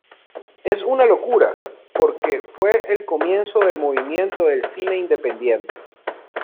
Es una locura, porque fue el comienzo del movimiento del cine independiente.